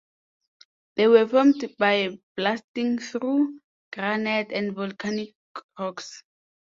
They were formed by blasting through granite and volcanic rocks.